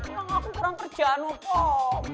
bang aku kurang kerjaan wapaa